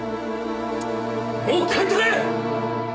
もう帰ってくれ！